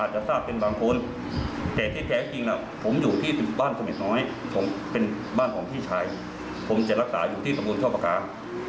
ใช้เวลาประมาณ๒๓ปีที่ผมรักษาอยู่ตรงนั้น